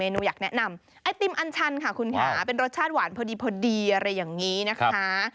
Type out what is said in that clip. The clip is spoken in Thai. หนูอยากแนะนำไอติมอันชันค่ะคุณค่ะเป็นรสชาติหวานพอดีพอดีอะไรอย่างนี้นะคะ